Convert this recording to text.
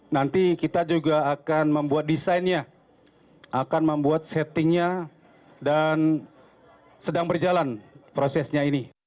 nanti kita juga akan membuat desainnya akan membuat settingnya dan sedang berjalan prosesnya ini